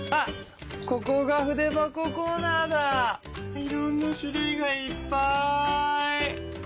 いろんな種類がいっぱい！